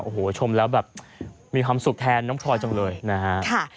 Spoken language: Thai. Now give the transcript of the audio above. โอ้โหชมแล้วแบบมีความสุขแทนน้องพลอยจังเลยนะฮะ